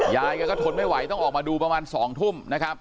ยายแกก็ทนไม่ไหวต้องออกมาดูประมาณ๒ทุ่มนะครับ